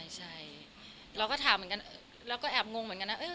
ใช่เราก็ถามเหมือนกันเราก็แอบงงเหมือนกันนะ